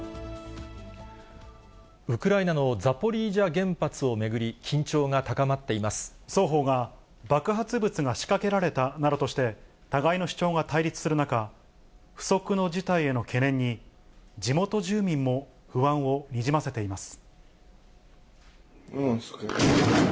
ウクライナのザポリージャ原双方が爆発物が仕掛けられたなどとして、互いの主張が対立する中、不測の事態への懸念に、地元住民も不安をにじませています。